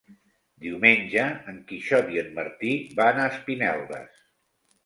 Diumenge en Quixot i en Martí van a Espinelves.